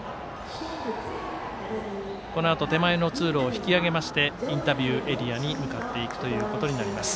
このあと手前の通路を引き揚げましてインタビューエリアに向かっていくことになります。